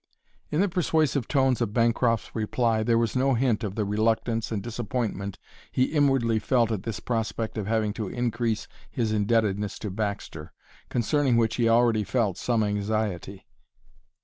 In the persuasive tones of Bancroft's reply there was no hint of the reluctance and disappointment he inwardly felt at this prospect of having to increase his indebtedness to Baxter, concerning which he already felt some anxiety.